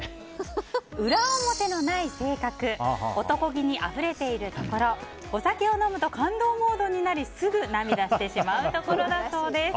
裏表のない性格男気にあふれているところお酒を飲むと感動モードになりすぐ涙してしまうところだそうです。